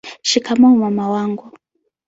shikamoo mama wangu